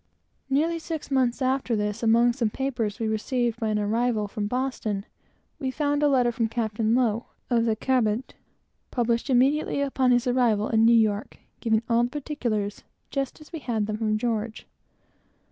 Nearly six months after this, among some papers we received by an arrival from Boston, we found a letter from Captain Low, of the Cabot, published immediately upon his arrival at New York, and giving all the particulars just as we had them from George.